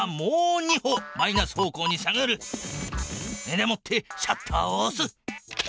でもってシャッターをおす。